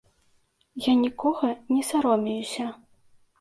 Я нікога не саромеюся.